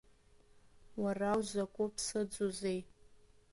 Уара узакәы ԥсыӡузеи?